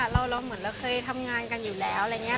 เราเหมือนเราเคยทำงานกันอยู่แล้วอะไรอย่างนี้